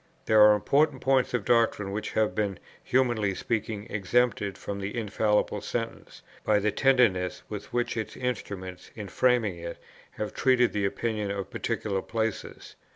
There are important points of doctrine which have been (humanly speaking) exempted from the infallible sentence, by the tenderness with which its instruments, in framing it, have treated the opinions of particular places.